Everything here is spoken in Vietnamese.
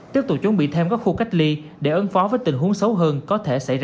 tiếp tục chuẩn bị thêm các khu cách ly để ứng phó với tình huống xấu hơn có thể xảy ra